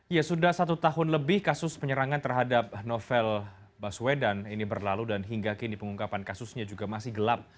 ya sudah satu tahun lebih kasus penyerangan terhadap novel baswedan ini berlalu dan hingga kini pengungkapan kasusnya juga masih gelap